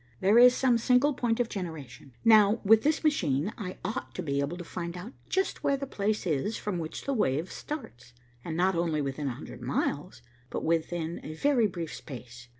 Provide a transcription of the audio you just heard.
There is some single point of generation. Now, with this machine, I ought to be able to find out just where the place is from which the wave starts, and not only within a hundred miles, but within a very brief space.